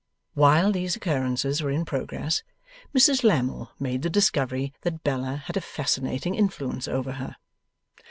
While these occurrences were in progress, Mrs Lammle made the discovery that Bella had a fascinating influence over her.